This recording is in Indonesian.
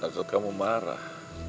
takut kamu marah